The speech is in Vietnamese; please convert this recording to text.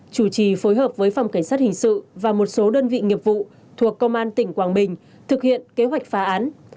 chủ trì phối hợp với phòng cảnh sát hình sự và một số đơn vị nghiệp vụ thuộc công an tỉnh quảng bình thực hiện kế hoạch phá án